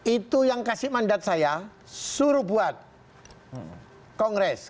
itu yang kasih mandat saya suruh buat kongres